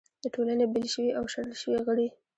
د ټولنې بېل شوي او شړل شوي غړي